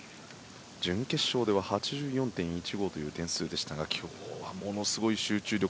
準決勝では８４．１５という点数でしたが今日はものすごい集中力。